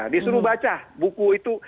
disuruh baca buku itu